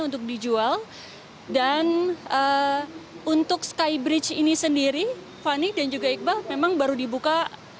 untuk dijual dan untuk skybridge ini sendiri fani dan juga iqbal memang baru dibuka